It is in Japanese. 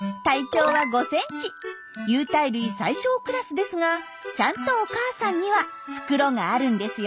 有袋類最小クラスですがちゃんとお母さんには袋があるんですよ。